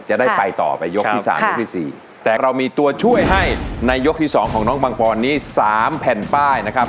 จะได้ไปต่อไปยกที่สามยกที่๔แต่เรามีตัวช่วยให้ในยกที่สองของน้องบังปอนนี้๓แผ่นป้ายนะครับ